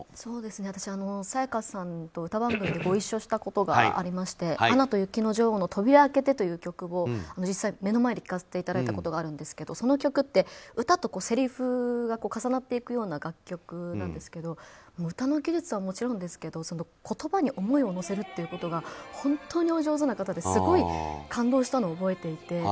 私、沙也加さんと歌番組でご一緒したことがありまして「アナと雪の女王」の「とびら開けて」という曲を実際、目の前で聴かせていただいたことがあるんですけどその歌って、歌とせりふが重なっていくような楽曲なんですけど歌の技術はもちろんですけど言葉に思いを乗せるということが本当にお上手な方ですごい感動したのを覚えていて。